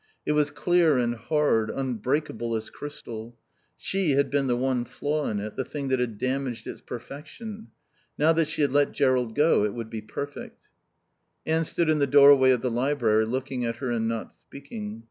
It was clear and hard, unbreakable as crystal. She had been the one flaw in it, the thing that had damaged its perfection. Now that she had let Jerrold go it would be perfect. Anne stood in the doorway of the library, looking at her and not speaking.